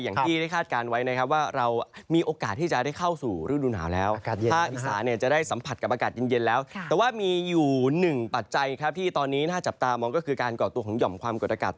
อย่างที่ได้คาดการณ์ไว้นะครับว่า